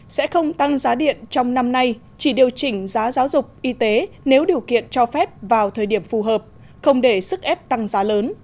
sẽ không tăng giá điện trong năm nay chỉ điều chỉnh giá giáo dục y tế nếu điều kiện cho phép vào thời điểm phù hợp không để sức ép tăng giá lớn